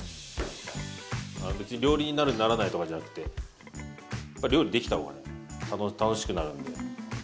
別に料理人になるならないとかじゃなくて料理できた方が楽しくなるんで。